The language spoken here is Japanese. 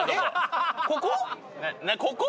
ここ？